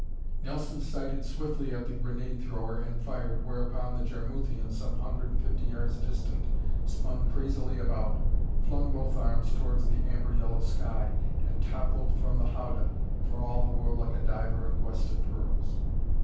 Nelson sighted swiftly at the grenade thrower and fired, whereupon the Jarmuthian, some hundred and fifty yards distant, spun crazily about, flung both arms towards the amber yellow sky and toppled from the howdah, for all the world like a diver in quest of pearls.